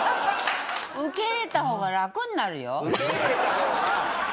受け入れた方が楽になるから。